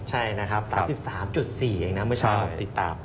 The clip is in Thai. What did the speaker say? ใช่นะครับ๓๓๔เองนะเมื่อเช้าติดตาม